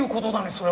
それは。